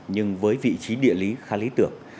nhưng với vị trí địa lý khá lý tưởng